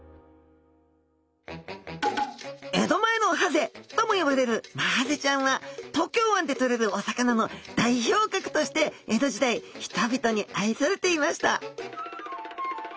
江戸前のハゼとも呼ばれるマハゼちゃんは東京湾でとれるお魚の代表格として江戸時代人々に愛されていました